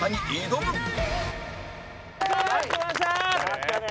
待ったね。